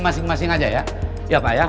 masing masing aja ya pak ya